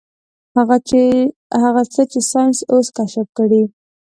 هغه څه چې ساينس اوس کشف کړي.